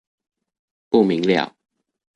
不明瞭